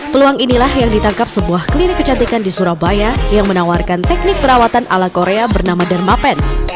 peluang inilah yang ditangkap sebuah klinik kecantikan di surabaya yang menawarkan teknik perawatan ala korea bernama dermapen